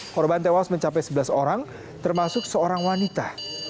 korban tewas mencapai sebelas orang termasuk seorang wanita